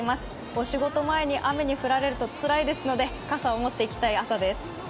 お仕事前に雨に降られるとつらいですので、傘を持って行きたい朝です。